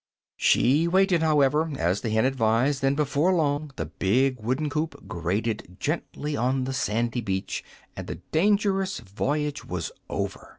She waited, however, as the hen advised, and before long the big wooden coop grated gently on the sandy beach and the dangerous voyage was over.